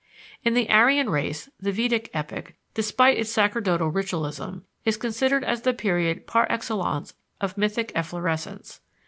In the Aryan race, the Vedic epoch, despite its sacerdotal ritualism, is considered as the period par excellence of mythic efflorescence.